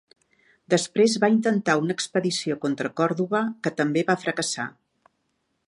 Després va intentar una expedició contra Còrdova que també va fracassar.